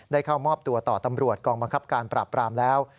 เข้ามอบตัวต่อตำรวจกองบังคับการปราบปรามแล้ว